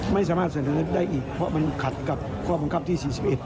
ไม่สามารถเสนอได้อีกเพราะมันขัดกับข้อบังคับที่๔๑